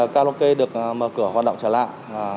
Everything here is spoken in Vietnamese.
carlocke được mở cửa hoạt động trở lại